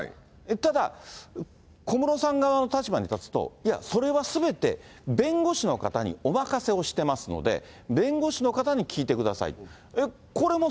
ただ、小室さん側の立場に立つと、いや、それはすべて弁護士の方にお任せをしてますので、弁護士の方に聞いてください。